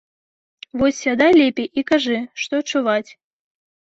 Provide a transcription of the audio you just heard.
Вось сядай лепей і кажы, што чуваць.